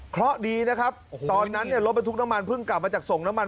เพราะดีนะครับตอนนั้นเนี่ยรถบรรทุกน้ำมันเพิ่งกลับมาจากส่งน้ำมัน